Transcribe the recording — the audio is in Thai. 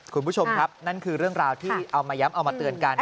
คุณผู้ชมครับนั่นคือเรื่องราวที่เอามาย้ำเอามาเตือนกัน